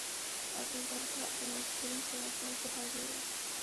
ابوالدرداء د نبي کریم ص صحابي و.